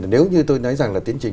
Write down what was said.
còn nếu như tôi nói rằng là tiến trình